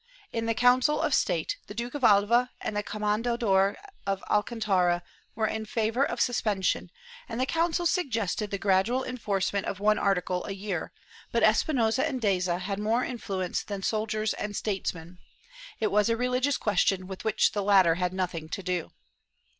In the Council of State, the Duke of Alva and the Commendador of Alcantara were in favor of suspension, and the Council suggested the gradual enforcement of one article a year, but Espinosa and Deza had more influence than soldiers and statesmen — it was a religious question with which the latter had nothing to do.